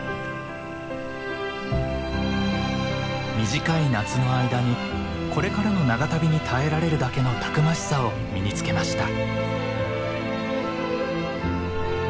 短い夏の間にこれからの長旅に耐えられるだけのたくましさを身に付けました。